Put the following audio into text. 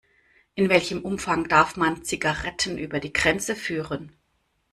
In welchem Umfang darf man Zigaretten über die Grenze führen?